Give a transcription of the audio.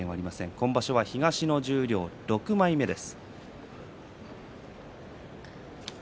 今場所は東の十両６枚目です。